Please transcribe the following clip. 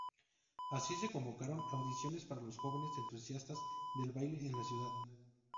Así, se convocaron audiciones para los jóvenes entusiastas del baile en la ciudad.